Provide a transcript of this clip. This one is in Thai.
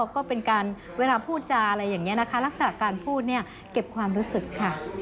ก็เป็นการเวลาพูดจาอะไรอย่างนี้นะคะลักษณะการพูดเนี่ยเก็บความรู้สึกค่ะ